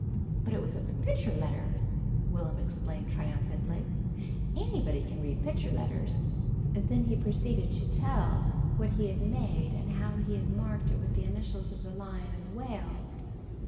"But it was a picture letter!" Will'm explained triumphantly. "Anybody can read picture letters." Then he proceeded to tell what he had made and how he had marked it with the initials of the Lion and the Whale.